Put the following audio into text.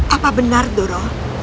apa benar doro